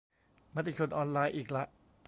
มติชนออนไลน์อีกละ